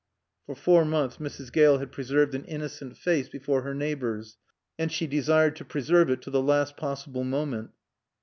For four months Mrs. Gale had preserved an innocent face before her neighbors and she desired to preserve it to the last possible moment.